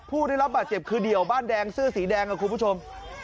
ผู้ได้รับบาดเจ็บคือเดี่ยวบ้านแดงเสื้อสีแดงครับคุณผู้ชม